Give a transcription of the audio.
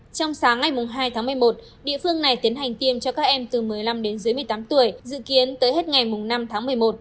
trong sáng ngày hai tháng một mươi một địa phương này tiến hành tiêm cho các em từ một mươi năm đến dưới một mươi tám tuổi dự kiến tới hết ngày năm tháng một mươi một